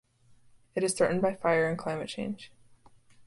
It is threatened by fire and climate change.